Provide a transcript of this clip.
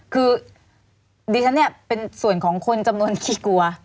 คือดิฉันเนี่ยเป็นส่วนของคนจำนวนขี้กลัว